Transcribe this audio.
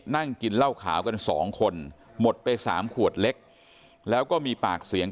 นั่งกินเหล้าขาวกันสองคนหมดไป๓ขวดเล็กแล้วก็มีปากเสียง